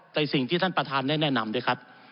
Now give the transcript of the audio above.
แต่สิ่งที่ท่านประธานได้แนะนำด้วยครับ